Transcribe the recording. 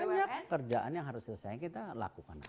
ini masih banyak kerjaan yang harus diselesaikan kita lakukan aja